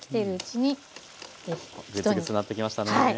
グツグツなってきましたね。